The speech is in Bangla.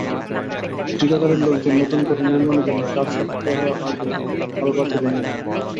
ঠিকাদারের লোকজন নতুন করে নির্মাণের জন্য চার সপ্তাহে আগে কালভার্টটি ভেঙে ফেলে।